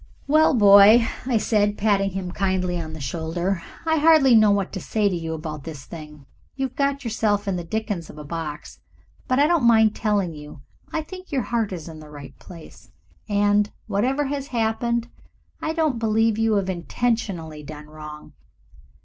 "Well, my boy," I said, patting him kindly on the shoulder, "I hardly know what to say to you about this thing. You've got yourself in the dickens of a box, but I don't mind telling you I think your heart is in the right place, and, whatever has happened, I don't believe you have intentionally done wrong.